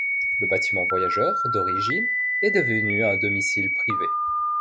Le bâtiment voyageurs d'origine est devenu un domicile privé.